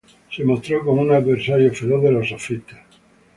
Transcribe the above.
Se mostró como un adversario feroz de los sofistas.